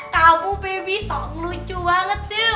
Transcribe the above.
kamu bebek soalnya lucu banget tuh